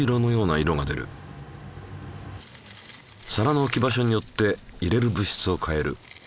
皿の置き場所によって入れる物質を変える。